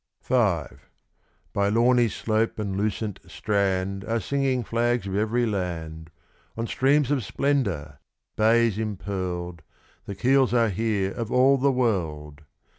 V By lawny slope and lucent strand Are singing flags of every land; On streams of splendour bays impearled The keels are here of all the world.